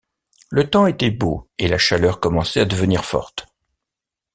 Le temps était beau, et la chaleur commençait à devenir forte.